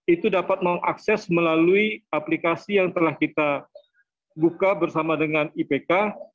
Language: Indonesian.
itu dapat mengakses melalui aplikasi yang telah kita buka bersama dengan ipk